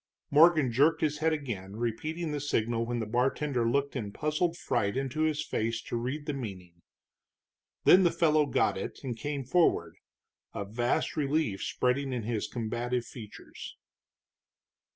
Morgan jerked his head again, repeating the signal when the bartender looked in puzzled fright into his face to read the meaning. Then the fellow got it, and came forward, a vast relief spreading in his combative features.